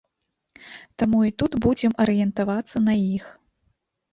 Таму і тут будзем арыентавацца на іх.